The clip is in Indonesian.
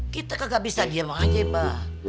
kita ke gak bisa diam aja pak